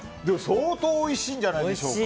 相当おいしいんじゃないでしょうか。